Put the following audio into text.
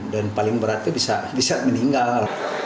dan paling beratnya bisa meninggal